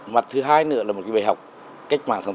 mặt thứ hai nữa là một bài học cách mạng tháng tám